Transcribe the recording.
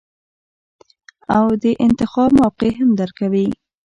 او د انتخاب موقع هم درکوي -